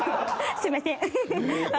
すみません。